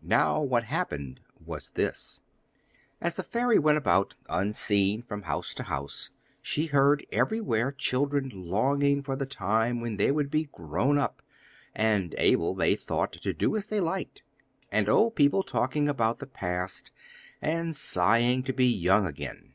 Now what happened was this: As the fairy went about, unseen, from house to house, she heard everywhere children longing for the time when they would be 'grown up,' and able, they thought, to do as they liked; and old people talking about the past, and sighing to be young again.